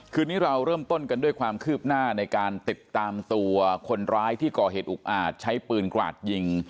คืนนี้เราเริ่มต้นกันด้วยความคืบหน้าในการติดตามตัวคนร้ายที่ก่อเหตุอุกอาจใช้ปืนกราดยิง